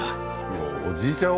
もうおじいちゃん